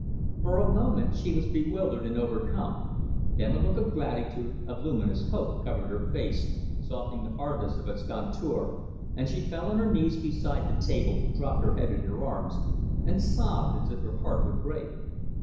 For a moment she was bewildered and overcome, then a look of gratitude, of luminous hope, covered her face, softening the hardness of its contour, and she fell on her knees beside the table, dropped her head in her arms, and sobbed as if her heart would break.